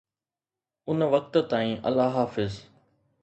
ان وقت تائين الله حافظ